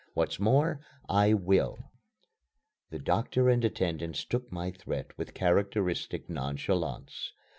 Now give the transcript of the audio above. What's more, I will." The doctor and attendants took my threats with characteristic nonchalance.